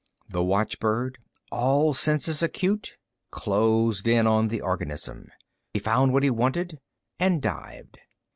The watchbird, all senses acute, closed in on the organism. He found what he wanted, and dived.